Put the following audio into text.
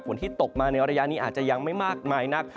ที่ตกมาในระยะนี้อาจจะยังไม่มากมายนัก